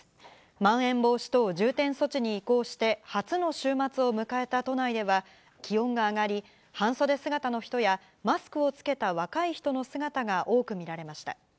まん延防止等重点措置に移行して初の週末を迎えた都内では、気温が上がり、半袖姿の人やマスクを着けた若い人の姿が多く見られました。